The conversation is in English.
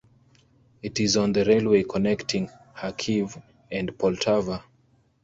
It is on the railway connecting Kharkiv and Poltava.